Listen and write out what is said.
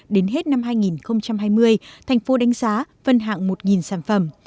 đến hết năm hai nghìn hai mươi thành phố đánh giá phân hạng một sản phẩm